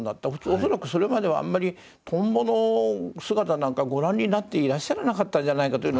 恐らくそれまではあんまりトンボの姿なんかご覧になっていらっしゃらなかったんじゃないかという気もするんですが。